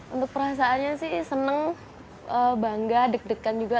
untuk perasaannya sih seneng bangga deg degan juga